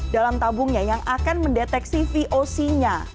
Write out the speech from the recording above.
dalam tabungnya yang akan mendeteksi voc nya